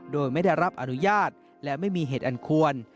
โดยไม่ได้รับอนุญาตและไม่มีเหตุอันควร